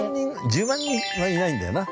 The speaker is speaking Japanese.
１０万人はいないんだよな。